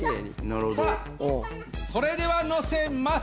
さあそれでは乗せます。